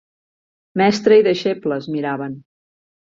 Mestre i deixebles, miraven